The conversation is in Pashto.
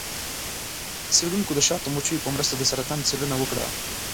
څیړونکو د شاتو مچیو په مرسته د سرطان څیړنه وکړه.